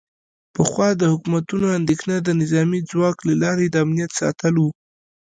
پخوا د حکومتونو اندیښنه د نظامي ځواک له لارې د امنیت ساتل و